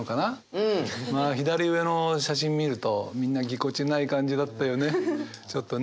まあ左上の写真見るとみんなぎこちない感じだったよね